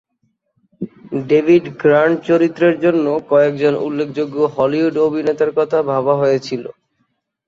David Grant চরিত্রের জন্য কয়েকজন উল্লেখযোগ্য হলিউড অভিনেতার কথা ভাবা হয়েছিল।